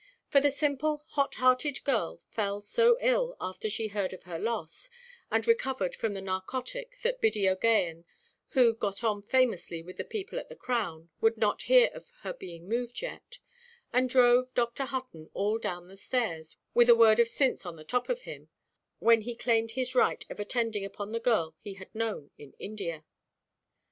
For the simple, hot–hearted girl fell so ill after she heard of her loss, and recovered from the narcotic, that Biddy OʼGaghan, who got on famously with the people at the Crown, would not hear of her being moved yet, and drove Dr. Hutton all down the stairs, "with a word of sinse on the top of him," when he claimed his right of attending upon the girl he had known in India.